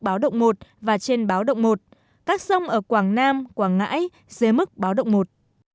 báo động một và trên báo động một các sông ở quảng nam quảng ngãi dưới mức báo động một